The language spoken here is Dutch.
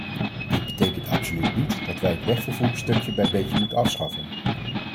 Dit betekent absoluut niet dat wij het wegvervoer stukje bij beetje moeten afschaffen.